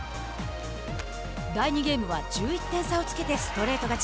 第２ゲームは１１点差をつけてストレート勝ち。